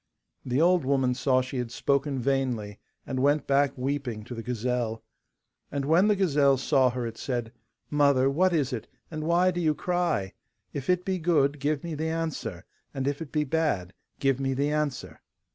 The old woman saw she had spoken vainly, and went back weeping to the gazelle. And when the gazelle saw her it said, 'Mother, what is it, and why do you cry? If it be good, give me the answer; and if it be bad, give me the answer.